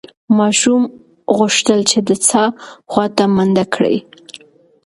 ماشوم غوښتل چې د څاه خواته منډه کړي.